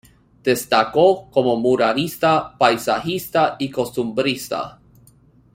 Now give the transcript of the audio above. Destacó como muralista, paisajista y costumbrista.